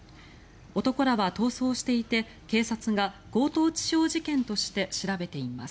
男らは逃走していて警察が強盗致傷事件として調べています。